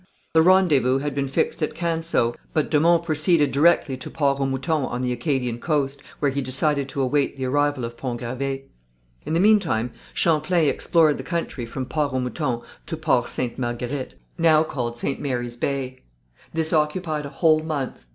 The rendezvous had been fixed at Canseau, but de Monts proceeded directly to Port au Mouton on the Acadian coast, where he decided to await the arrival of Pont Gravé. In the meantime Champlain explored the country from Port au Mouton to Port Sainte Marguerite, now called St. Mary's Bay. This occupied a whole month.